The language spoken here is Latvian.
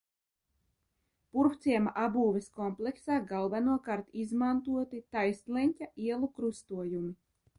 Purvciema apbūves kompleksā galvenokārt izmantoti taisnleņķa ielu krustojumi.